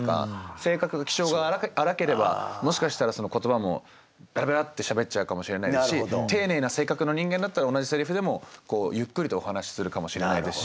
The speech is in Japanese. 性格が気性が荒ければもしかしたら言葉もベラベラってしゃべっちゃうかもしれないし丁寧な性格の人間だったら同じセリフでもゆっくりとお話しするかもしれないですし。